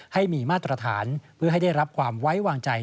ให้มีมาตรฐานเพื่อให้ได้รับความไว้วางใจ